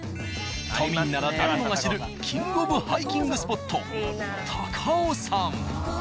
都民なら誰もが知るキングオブハイキングスポット高尾山。